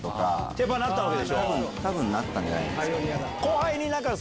多分なったんじゃないですかね。